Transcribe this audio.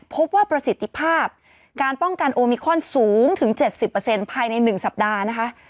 พบว่าประสิทธิภาพการป้องกันโอมิคอนสูงถึง๗๐ภายใน๑สัปดาห์นะคะ